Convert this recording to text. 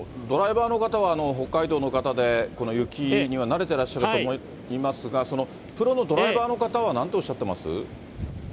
ドライバーの方は、北海道の方で、この雪には慣れてらっしゃると思いますが、プロのドライバーの方はなんとおっしゃってます？